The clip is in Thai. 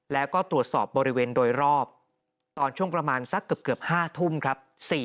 แล้วก็ตรวจสอบบริเวณโดยรอบตอนช่วงประมาณสักเกือบ๕ทุ่มครับ